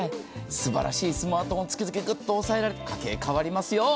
すばらしいスマートフォン、月々グッと抑えられて、家計、変わりますよ。